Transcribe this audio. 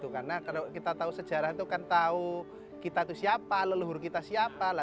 karena kalau kita tahu sejarah itu kan tahu kita itu siapa leluhur kita siapa